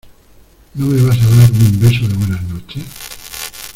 ¿ no me vas a dar un beso de buenas noches?